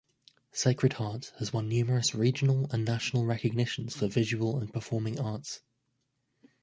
Sacred Heart has won numerous regional and national recognitions for visual and performing arts.